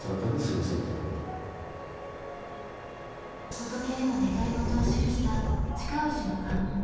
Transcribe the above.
仏への願い事を記した親氏の願文。